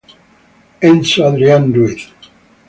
Enzo Adrián Ruiz